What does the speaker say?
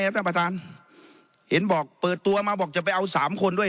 ท่านประธานเห็นบอกเปิดตัวมาบอกจะไปเอาสามคนด้วย